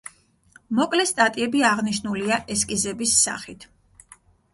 მოკლე სტატიები აღნიშნულია ესკიზების სახით.